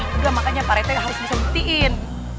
ya udah makanya pak rt nggak harus bisa buktiin